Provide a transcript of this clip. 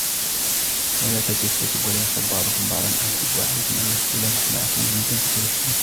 وَلَا تَجَسَّسُوا وَلَا يَغْتَبْ بَعْضُكُم بَعْضًا أَيُحِبُّ أَحَدُكُمْ أَن يَأْكُلَ لَحْمَ أَخِيهِ مَيْتًا فَكَرِهْتُمُوهُ.